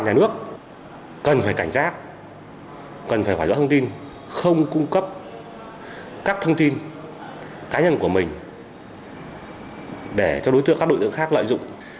nhà nước cần phải cảnh giác cần phải hỏi rõ thông tin không cung cấp các thông tin cá nhân của mình để cho đối tượng các đối tượng khác lợi dụng